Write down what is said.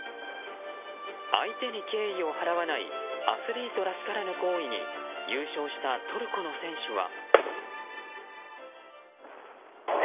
相手に敬意を払わないアスリートらしからぬ行為に優勝したトルコの選手は。